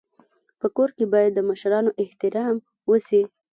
په کور کي باید د مشرانو احترام وسي.